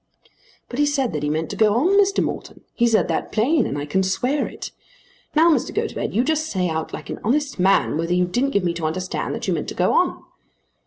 "But he said that he meant to go on, Mr. Morton. He said that plain, and I can swear it. Now, Mr. Gotobed, you just say out like an honest man whether you didn't give me to understand that you meant to go on."